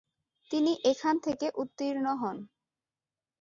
তিনি এখান থেকে উত্তীর্ণ হন।